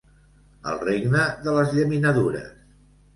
El regne de les llaminadures!